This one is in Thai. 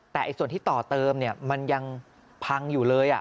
แต่ส่วนที่ต่อเติมมันยังพังอยู่เลย